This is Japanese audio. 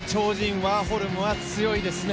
やはり超人ワーホルムは強いですね。